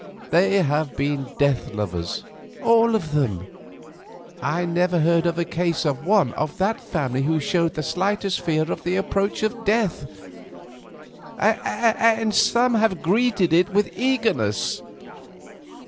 They have been death lovers, all of them. I never heard of a case of one of that family who showed the slightest fear at the approach of death; and some have greeted it with eagerness."